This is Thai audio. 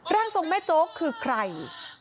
ร่างทรงแม่โจ๊กคือใคร